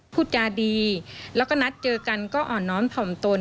พูดจาดีแล้วก็นัดเจอกันก็อ่อนน้อมผ่อมตน